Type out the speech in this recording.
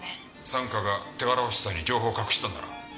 三課が手柄欲しさに情報を隠したんだな。